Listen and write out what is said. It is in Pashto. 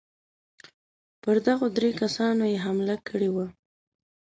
پر دغو درېو کسانو یې حمله کړې وه.